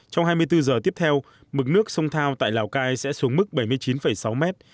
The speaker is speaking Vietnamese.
trong hai mươi bốn giờ tiếp theo mực nước sông thao tại lào cai sẽ xuống mức bảy mươi chín sáu mét